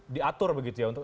diatur begitu ya